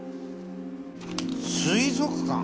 水族館？